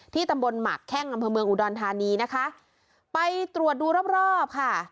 ตำบลหมากแข้งอำเภอเมืองอุดรธานีนะคะไปตรวจดูรอบรอบค่ะ